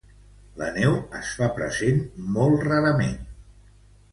La neu es fa present molt rarament.